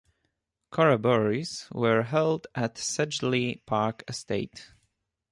Corroborees were held at Sedgeley Park estate.